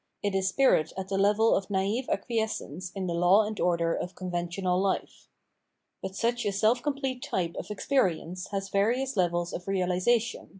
It is spirit at the level of naive acqui escence in the law and order of conventional life. But such a self complete type of experience has various levels of realisation.